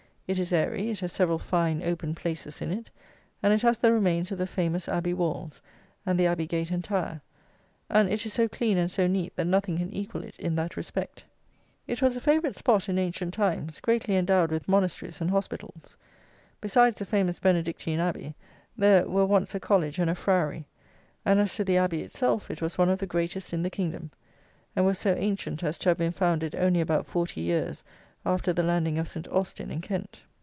It is airy, it has several fine open places in it, and it has the remains of the famous abbey walls and the abbey gate entire; and it is so clean and so neat that nothing can equal it in that respect. It was a favourite spot in ancient times; greatly endowed with monasteries and hospitals. Besides the famous Benedictine Abbey, there were once a college and a friary; and as to the abbey itself, it was one of the greatest in the kingdom; and was so ancient as to have been founded only about forty years after the landing of Saint Austin in Kent.